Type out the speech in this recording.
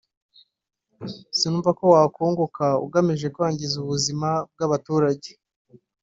sinumva ko wakunguka ugamije kwangiza ubuzima bw’abaturage”